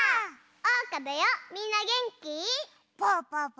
おうかだよみんなげんき？